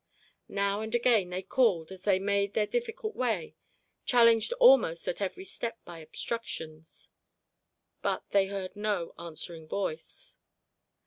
Now and again they called as they made their difficult way, challenged almost at every step by obstructions. But they heard no answering voice.